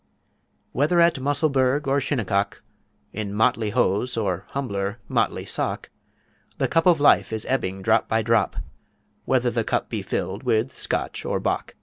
Whether at Musselburgh or Shinnecock, In motley Hose or humbler motley Sock, The Cup of Life is ebbing Drop by Drop, Whether the Cup be filled with Scotch or Bock.